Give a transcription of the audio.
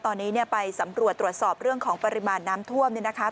ตอนนี้ไปสำรวจตรวจสอบเรื่องของปริมาณน้ำท่วมเนี่ยนะคะ